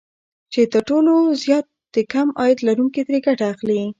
چې تر ټولو زيات د کم عاید لرونکي ترې ګټه اخلي